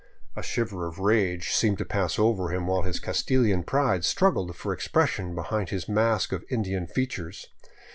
A shiver of rage seemed to pass over him, while his Castilian pride struggled for expression behind his mask of Indian features.